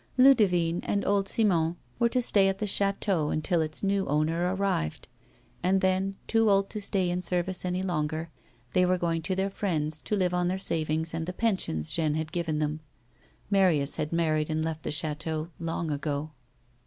Ludivine and old Simon were to stay at the chateau until its new owner arrived, and then, too old to stay in service any longer, they were going to their friends to live on their savings and the pensions Jeanne had given them, Marius had married and left the chateau long ago.